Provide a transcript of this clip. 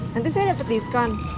nanti saya dapat diskon